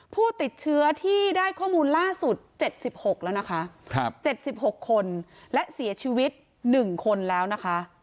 ผู้ติดเชื้อที่ได้ข้อมูลล่าสุด๗๖แล้วนะคะ๗๖คนและเสียชีวิต๑คนแล้วนะคะ